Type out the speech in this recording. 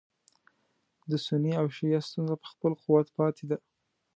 د سني او شیعه ستونزه په خپل قوت پاتې ده.